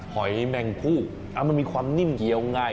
หอยแมงคู่มันมีความนิ่มเยาวง่าย